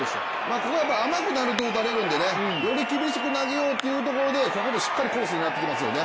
ここは甘めだと打たれるんでより厳しく投げようというところでしっかりコースを狙ってきますよね。